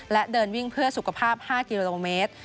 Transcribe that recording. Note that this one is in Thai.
และเดินวิ่งเพื่อสุขภาพ๕กิโลเมตร